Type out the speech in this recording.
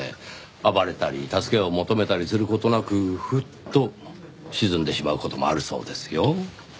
暴れたり助けを求めたりする事なくふっと沈んでしまう事もあるそうですよ。